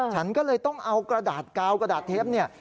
ฉันก็เลยต้องเอากระดาษกาวกระดาษเทปเนี่ย